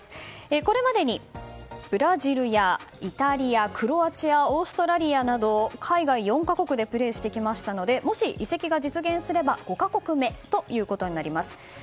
これまでにブラジルやイタリアクロアチア、オーストラリアなど海外４か国でプレーしてきましたのでもし移籍が実現すれば５か国目ということになります。